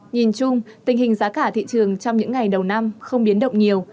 nhìn chung tình hình giá cả thị trường trong những ngày đầu năm không biến động nhiều